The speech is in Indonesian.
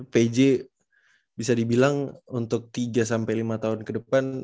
pj bisa dibilang untuk tiga sampai lima tahun ke depan